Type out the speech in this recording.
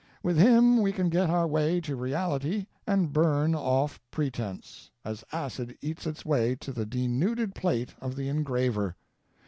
With him we can get our way to reality and burn off pretense, as acid eats its way to the denuded plate of the engraver.